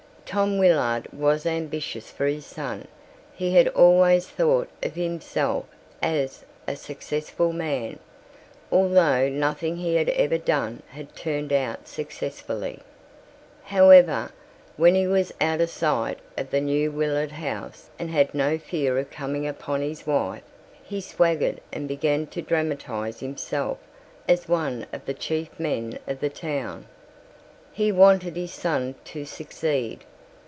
Tom Willard was ambitious for his son. He had always thought of himself as a successful man, although nothing he had ever done had turned out successfully. However, when he was out of sight of the New Willard House and had no fear of coming upon his wife, he swaggered and began to dramatize himself as one of the chief men of the town. He wanted his son to succeed.